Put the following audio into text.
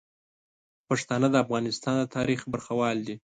پښتانه د افغانستان د تاریخ برخوال دي.